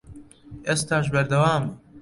ئێستاش بەردەوامە